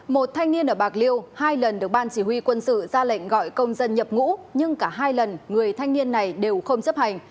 một thanh niên ở bạc liêu hai lần được ban chỉ huy quân sự ra lệnh gọi công dân nhập ngũ nhưng cả hai lần người thanh niên này đều không chấp hành